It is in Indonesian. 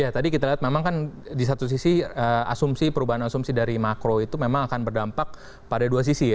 ya tadi kita lihat memang kan di satu sisi asumsi perubahan asumsi dari makro itu memang akan berdampak pada dua sisi ya